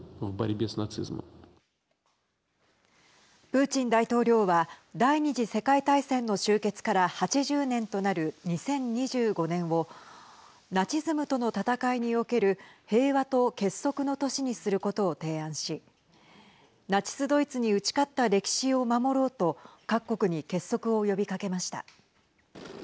プーチン大統領は第２次世界大戦の終結から８０年となる２０２５年をナチズムとの戦いにおける平和と結束の年にすることを提案しナチス・ドイツに打ち勝った歴史を守ろうと各国に結束を呼びかけました。